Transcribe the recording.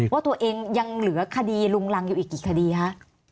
ว่าตัวเองยังเหลือคดีลุงรังอยู่อีกกี่คดีคะ